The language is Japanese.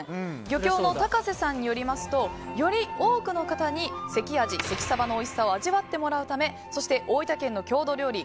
漁協の高瀬さんによりますとより多くの方に関あじ、関さばのおいしさを味わってもらうためそして大分県の郷土料理